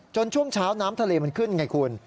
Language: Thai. ช่วงเช้าน้ำทะเลมันขึ้นไงคุณ